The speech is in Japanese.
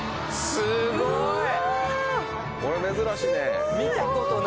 すごいな。